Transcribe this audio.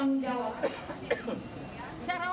kalau tidak bisa dikumpulkan ke puskesmas rumpuy